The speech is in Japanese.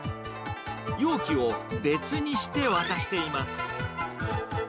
容器を別にして渡しています。